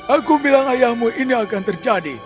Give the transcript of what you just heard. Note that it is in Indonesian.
aku bilang ayahmu ini akan terjadi